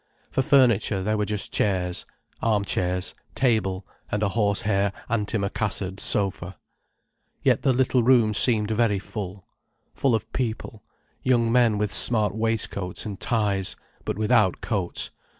For furniture, there were just chairs, arm chairs, table, and a horse hair antimacassar ed sofa. Yet the little room seemed very full—full of people, young men with smart waistcoats and ties, but without coats.